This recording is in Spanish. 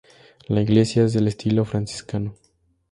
La iglesia es de estilo franciscano.